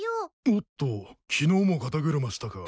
おっと昨日も肩車したか。